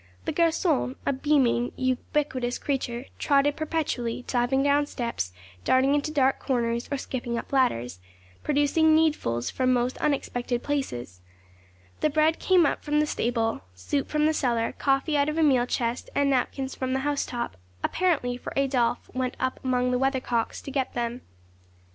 The garçon, a beaming, ubiquitous creature, trotted perpetually, diving down steps, darting into dark corners, or skipping up ladders, producing needfuls from most unexpected places. The bread came from the stable, soup from the cellar, coffee out of a meal chest, and napkins from the housetop, apparently, for Adolphe went up among the weather cocks to get them.